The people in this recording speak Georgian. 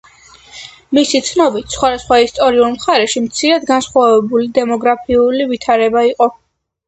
მისი ცნობით სხვადასხვა ისტორიულ მხარეში მცირედ განსხვავებული დემოგრაფიული ვითარება იყო.